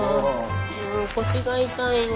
もう腰が痛いよ。